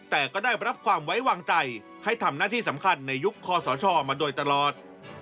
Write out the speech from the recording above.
แต่ก็ได้รับความไว้วางใจให้ทำหน้าที่สำคัญในยุคคอสชมาโดยตลอด